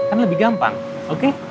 kan lebih gampang oke